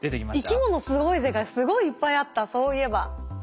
「生きものすごいぜ」がすごいいっぱいあったそういえば。